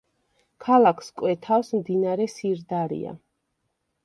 ქალაქს კვეთავს მდინარე სირდარია.